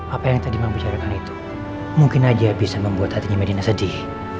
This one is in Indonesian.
apa yang tadi mamah bicarakan itu mungkin aja bisa membuat hatinya medina sedih